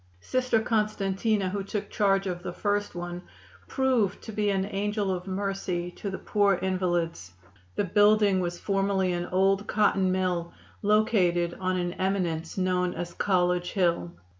Sister Constantina, who took charge of the first one, proved to be an angel of mercy to the poor invalids. The building was formerly an old cotton mill, located on an eminence known as College Hill.